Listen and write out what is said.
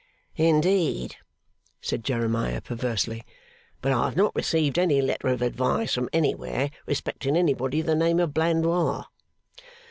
'Indeed?' said Jeremiah, perversely. 'But I have not received any letter of advice from anywhere respecting anybody of the name of Blandois.